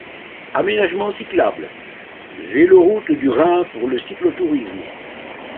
Aménagement cyclable: Véloroute du Rhin pour le Cyclotourisme.